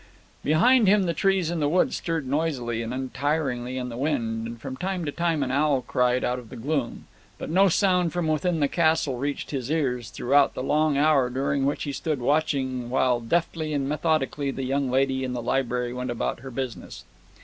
Behind him the trees in the wood stirred noisily and untiringly in the wind, and from time to time an owl cried out of the gloom; but no sound from within the castle reached his ears throughout the long hour during which he stood watching while deftly and methodically the young lady in the library went about her business.